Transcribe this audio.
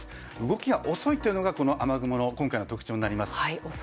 動きが遅いというのがこの雨雲の今回の特徴になります。